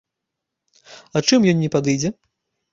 А чым ён не падыдзе?